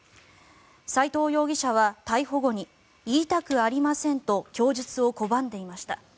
斎藤容疑者は逮捕後に言いたくありませんと供述を拒んでいました。